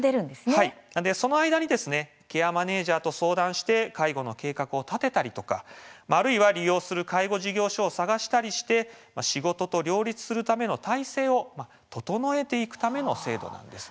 その間にケアマネージャーと相談して介護の計画を立てたり利用する介護事業所を探したりして仕事と両立するための体制を整えるための制度なんです。